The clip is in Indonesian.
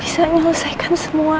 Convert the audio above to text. senyum akan semua